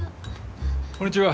こんにちは。